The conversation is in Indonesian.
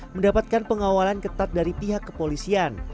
mendapatkan pengawalan ketat dari pihak kepolisian